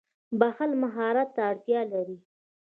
• بښل مهارت ته اړتیا لري.